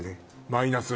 マイナス？